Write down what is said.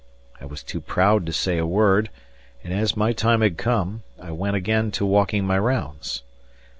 I was too proud to say a word and, as my time had come, I went again to walking my rounds.